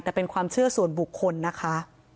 แต่เป็นความเชื่อส่วนบุคคลนะคะ